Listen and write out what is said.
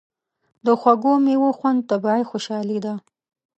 د خوږو میوو خوند طبیعي خوشالي ده.